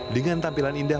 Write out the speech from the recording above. dengan tampilan indah